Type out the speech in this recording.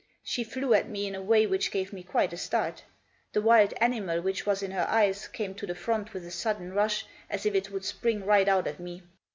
She flew at me in a way which gave me quite a start. The wild animal which was in her eyes came to the front with a sudden rush, as if it would spring right out at me.